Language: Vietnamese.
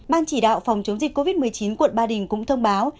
ban chỉ đạo phòng chống dịch covid một mươi chín quận ba đình cũng thông báo